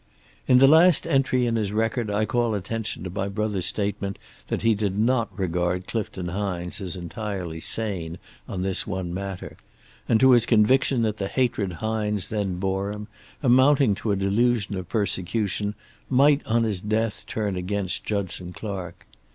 "In the last entry in his record I call attention to my brother's statement that he did not regard Clifton Hines as entirely sane on this one matter, and to his conviction that the hatred Hines then bore him, amounting to a delusion of persecution, might on his death turn against Judson Clark.